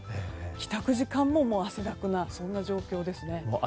帰宅時間も汗だくなそんな状況ですね。